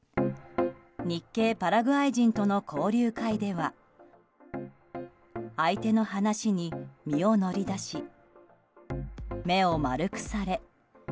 日系パラグアイ人との交流会では相手の話に身を乗り出し目を丸くされ。